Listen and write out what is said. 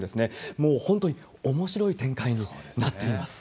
もう本当におもしろい展開になっています。